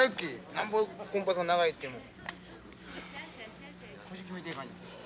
なんぼコンパス長いっても。